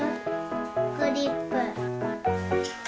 クリップ。